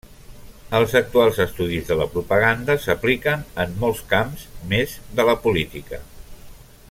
Els actuals estudis de la propaganda s'apliquen en molts camps més de la política.